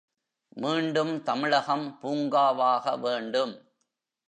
மீண்டும் தமிழகம் பூங்காவாக வேண்டும்.